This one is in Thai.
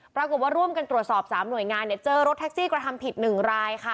ปรากฏว่าร่วมกันตรวจสอบ๓หน่วยงานเนี่ยเจอรถแท็กซี่กระทำผิด๑รายค่ะ